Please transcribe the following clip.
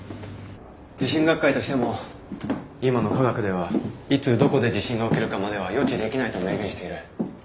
地震学会としても今の科学ではいつどこで地震が起きるかまでは予知できないと明言している。